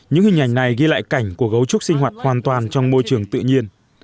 những hình ảnh này ghi lại cảnh của gấu trúc sinh hoạt hoàn toàn trong môi trường tự nhiên